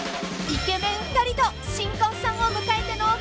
［イケメン２人と新婚さんを迎えての今夜は］